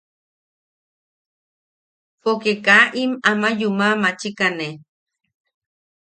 Poke kaa im ama yuma machikane.